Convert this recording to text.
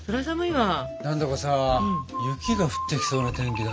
何んだかさ雪が降ってきそうな天気だな。